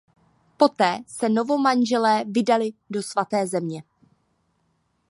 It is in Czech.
Poté se novomanželé vydali do Svaté země.